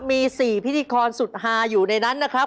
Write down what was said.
มี๔พิธีกรสุดฮาอยู่ในนั้นนะครับ